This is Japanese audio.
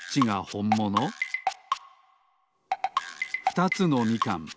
ふたつのみかん。